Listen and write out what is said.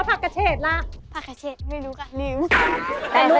พักเซตไม่รู้คะลืม